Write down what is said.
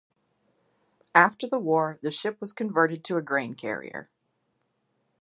After the war the ship was converted to a grain carrier.